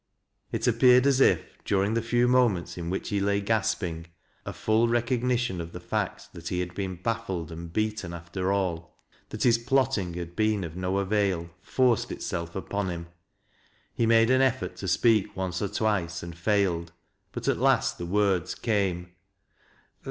It appeared as if, during the few moments in which he iay gasping, a full recognition of the fact that he had been baffled and beaten after all — that his plotting had been of no avail — forced itself upon him. He made an effort to speak once or twice and failed, but at last the words came.